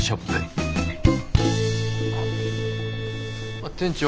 あっ店長